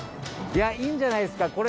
いやいいんじゃないですか？